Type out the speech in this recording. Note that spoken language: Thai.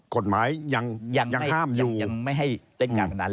กฎหมายยังห้ามอยู่ยังไม่ให้เล่นการพนัน